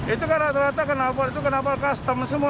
itu karena ternyata kenalpot itu kenapa custom semua